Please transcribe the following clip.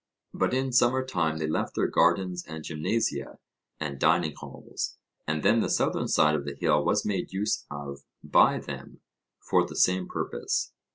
But in summer time they left their gardens and gymnasia and dining halls, and then the southern side of the hill was made use of by them for the same purpose.